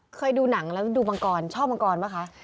เคยดูหนังแล้วดูมังกรชอบมังกรป่ะคะ